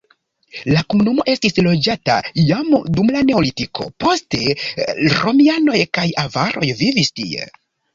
La komunumo estis loĝata jam dum la neolitiko, poste romianoj kaj avaroj vivis tie.